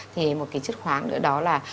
thì một cái chất khoáng nữa đó là